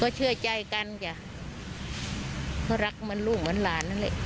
ก็เชื่อใจกันเพราะรักเหมือนลูกเหมือนหลาน